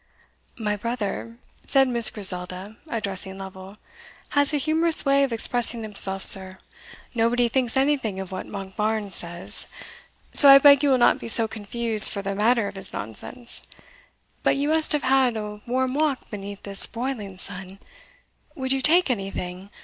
"My brother," said Miss Griselda, addressing Lovel, "has a humorous way of expressing himself, sir; nobody thinks anything of what Monkbarns says so I beg you will not be so confused for the matter of his nonsense; but you must have had a warm walk beneath this broiling sun would you take anything?